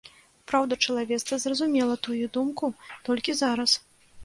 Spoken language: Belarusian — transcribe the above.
Праўда, чалавецтва зразумела тую думку толькі зараз.